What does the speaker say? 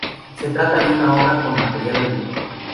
Se trata de una obra con material adulto.